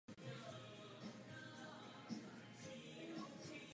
S touto knihou dosáhl celosvětového úspěchu a ukázal se jeho talent na kreslení žen.